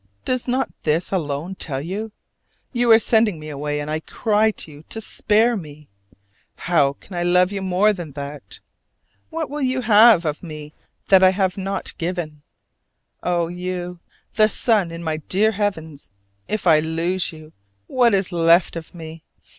Does not this alone tell you? You are sending me away, and I cry to you to spare me. Can I love you more than that? What will you have of me that I have not given? Oh, you, the sun in my dear heavens if I lose you, what is left of me?